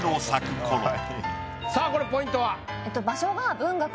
さぁこれポイントは？